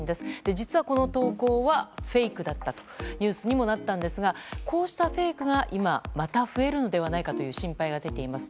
実は、この投稿はフェイクだったとニュースにもなったんですがこうしたフェイクが今また増えるのではないかという心配が出ています。